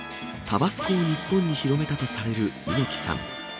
タバスコを日本に広めたとされる猪木さん。